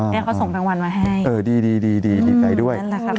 แม่เขาส่งรางวัลมาให้เออดีดีดีดีใจด้วยนั่นแหละค่ะ